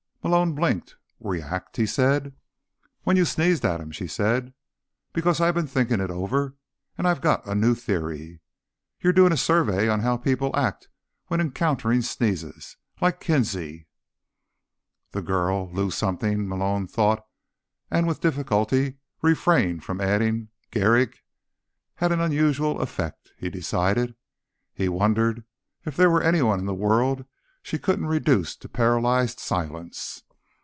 Malone blinked. "React?" he said. "When you sneezed at him," she said. "Because I've been thinking it over, and I've got a new theory. You're doing a survey on how people act when encountering sneezes. Like Kinsey." This girl—Lou something, Malone thought, and with difficulty refrained from adding "Gehrig"—had an unusual effect, he decided. He wondered if there were anyone in the world she couldn't reduce to paralyzed silence.